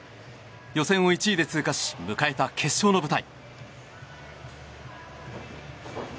予選を１位で通過し迎えた決勝の舞台。